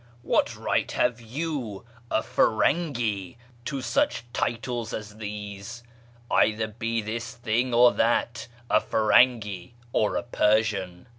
What right have you, a Firangi, to such titles as these ? Either be this thing or that — a Firangi or a Persian."